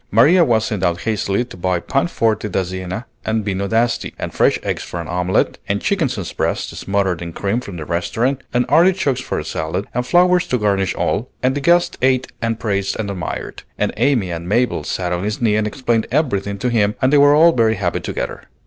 Maria was sent out hastily to buy pan forte da Siena and vino d'Asti, and fresh eggs for an omelette, and chickens' breasts smothered in cream from the restaurant, and artichokes for a salad, and flowers to garnish all; and the guest ate and praised and admired; and Amy and Mabel sat on his knee and explained everything to him, and they were all very happy together.